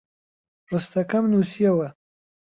ڕستەکەم نووسییەوە.